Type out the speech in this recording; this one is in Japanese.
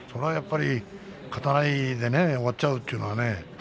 勝たないで終わっちゃうというのはね